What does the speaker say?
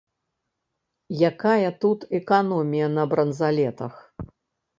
Якая тут эканомія на бранзалетах.